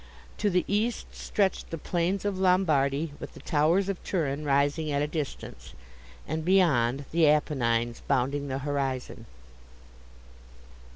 To the east stretched the plains of Lombardy, with the towers of Turin rising at a distance; and beyond, the Apennines, bounding the horizon.